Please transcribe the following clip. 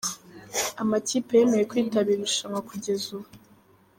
Amakipe yemeye kwitabira irushanwa kugeza ubu.